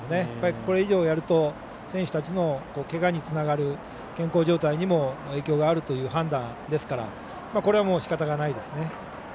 これ以上やると選手たちの、けがにつながる健康状態にも影響があるという判断ですからこれはもうしかたがないですね。